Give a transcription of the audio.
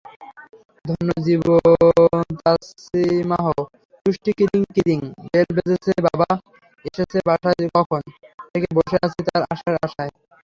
ধন্য জীবনতাছনিমাহ্ তুষ্টিকিরিং কিরিং বেল বেজেছেবাবা এসেছে বাসায়কখন থেকে বসে আছিতাঁর আসার আশায়।